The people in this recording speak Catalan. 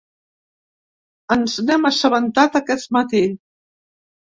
Ens n’hem assabentat aquest matí.